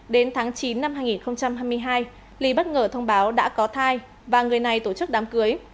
đến tháng chín năm hai nghìn hai mươi hai ly bất ngờ thông báo đã có thai và người này tổ chức đám cưới